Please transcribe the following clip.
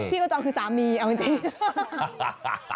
พี่ขจรคือสามีเอาจริง